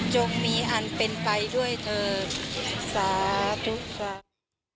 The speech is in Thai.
จงมีอันเป็นไปด้วยเถอะทราบทุกครั้ง